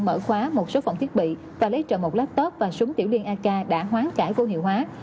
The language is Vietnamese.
mở khóa một số phòng thiết bị và lấy trở một laptop và súng tiểu liên ak đã hoán trải vô hiệu hóa